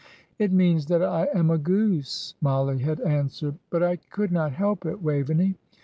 "It means that I am a goose," Mollie had answered. "But I could not help it, Waveney.